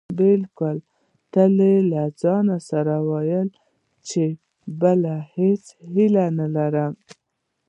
بلکې تل يې له ځانه سره ويل چې بله هېڅ هيله نه لري.